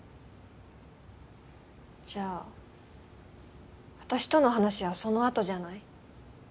じゃあ私との話はそのあとじゃない？